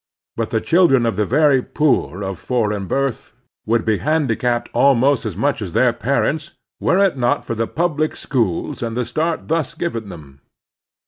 But the children of the very poor of foreign birth would be handicapped almost as much as their parents, were it not for the public Civic Helpfulness 103 schools and the start thus given them.